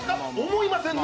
思いませんね。